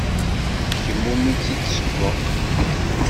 D kemm umi tt-id-ssewweɣ.